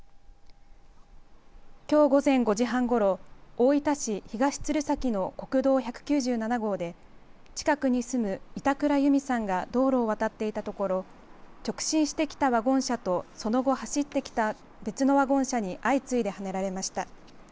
きょう午前５時半ごろ大分市東鶴崎の国道１９７号で近くに住む板倉ゆみさんが道路を渡っていたところ直進してきたワゴン車とその後走ってきた別のワゴン車に相次いで、はねられました。